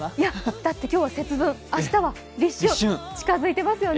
だって、今日は節分、明日は立春、近づいてますよね。